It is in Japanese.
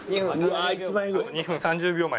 「２分３０秒前」。